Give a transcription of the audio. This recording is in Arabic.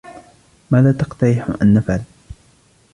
ماذا تقترح ان نفعل؟